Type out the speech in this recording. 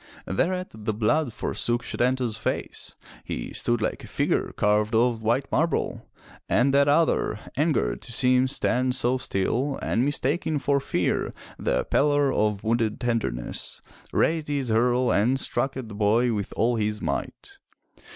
Thereat the blood forsook Setanta's face. He stood like a figure carved of white marble. And that other, angered to see him stand so still, and mistaking for fear the pallor of wounded tenderness, raised his hurle and struck at the boy with all his might.